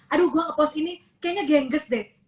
aduh gue ngepost ini kayaknya gengges deh